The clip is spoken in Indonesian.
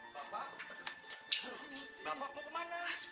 bapak mau kemana